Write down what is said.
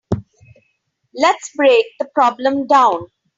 Let's break the problem down.